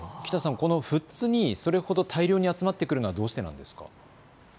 この富津に大量に集まってくるのはどうしてなんですか？